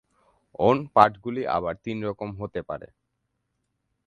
ওন-পাঠগুলি আবার তিন রকম হতে পারে।